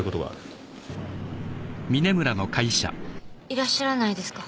いらっしゃらないですか？